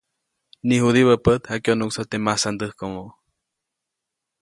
Niʼjudibä pät jakyonuʼksä teʼ masandäjkomo.